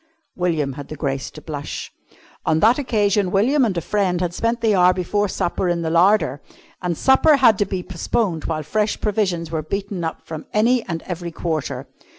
William had the grace to blush. On that occasion William and a friend had spent the hour before supper in the larder, and supper had to be postponed while fresh provisions were beaten up from any and every quarter.